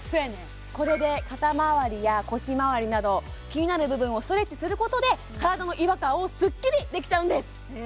これで肩まわりや腰まわりなど気になる部分をストレッチすることで体の違和感をスッキリできちゃうんです